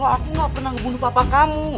aku gak pernah ngebunuh bapak kamu